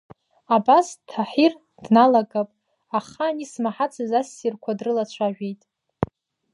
Абас Таҳир дналагап, ахаан исмаҳацыз ассирқуа дрылацәажәеит.